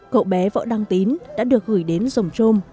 cậu bé võ đăng tín đã được gửi đến dòng trôm